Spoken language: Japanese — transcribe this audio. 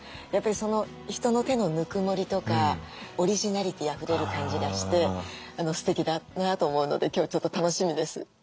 やっぱり人の手のぬくもりとかオリジナリティーあふれる感じがしてすてきだなと思うので今日ちょっと楽しみです。